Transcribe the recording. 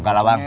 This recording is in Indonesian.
gak lah bang